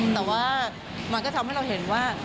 แต่ว่ามันก็ทำให้เราเห็นว่า